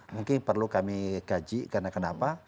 mungkin perlu kami kaji karena kenapa